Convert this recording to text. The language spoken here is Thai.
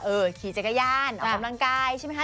เออขี่จักรยานเอาความกำลังกายใช่ไหมคะ